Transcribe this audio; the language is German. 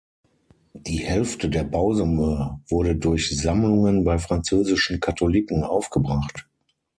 Die Hälfte der Bausumme wurde durch Sammlungen bei französischen Katholiken aufgebracht.